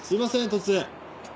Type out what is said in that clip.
突然。